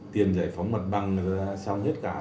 tiền giải phóng mặt bằng người ta đã xong hết cả rồi